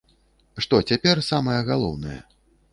Што цяпер самае галоўнае?